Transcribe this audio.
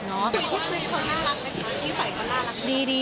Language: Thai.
คุณคิดว่าเป็นคนน่ารักไหมคะนิสัยคนน่ารัก